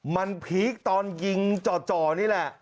มันพีคตอนยิงจ่อนี่แหละ